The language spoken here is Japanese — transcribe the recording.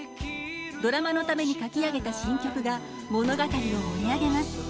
ドラマのために書き上げた新曲が物語を盛り上げます。